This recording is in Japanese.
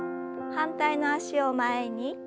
反対の脚を前に。